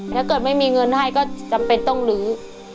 ถ้าเกิดไม่มีเงินให้ก็จำเป็นต้องลื้อ